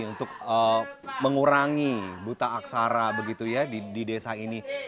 untuk mengurangi buta aksara begitu ya di desa ini